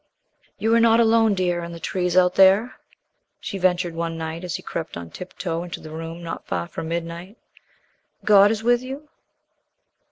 "You are not alone, dear in the trees out there?" she ventured one night, as he crept on tiptoe into the room not far from midnight. "God is with you?"